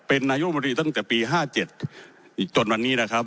เป็นนายุทธบุญตรีตั้งแต่ปีห้าเจ็ดจนวันนี้นะครับ